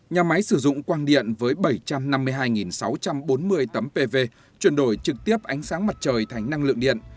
nhà máy sử dụng quang điện với bảy trăm năm mươi hai sáu trăm bốn mươi tấm pv chuyển đổi trực tiếp ánh sáng mặt trời thành năng lượng điện